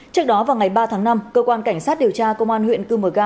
trước đó vào ngày ba tháng năm cơ quan cảnh sát điều tra công an huyện cư mờ ga